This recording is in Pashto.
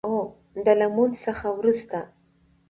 او د لمونځ څخه وروسته